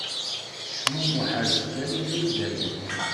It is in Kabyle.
Tecmummeḥ-as-d kan iɣill dayen.